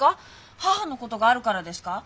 母のことがあるからですか？